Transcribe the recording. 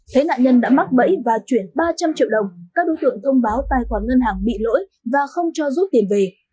thấy nạn nhân đã mắc bẫy và chuyển ba trăm linh triệu đồng các đối tượng thông báo tài khoản ngân hàng bị lỗi và không cho rút tiền về